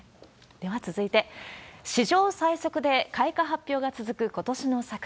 では続いて、史上最速で開花発表が続くことしの桜。